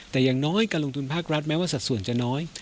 แต่อย่างน้อยการลงทุนภาครัฐแม้ว่าสัดส่วนจะน้อย